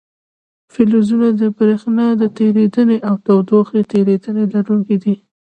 فلزونه د برېښنا تیریدنې او تودوخې تیریدنې لرونکي دي.